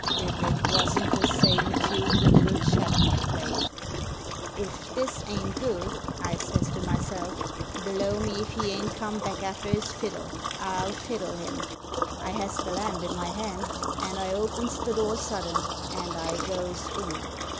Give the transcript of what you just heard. If it wasn't the same tune the little chap had played !' If this ain't good,' I says to myselt ' Blow me if he ain't come back after his fiddle! I'll fiddle him!' I has the lamp in my hand, and I opens the door sudden, and I goes in."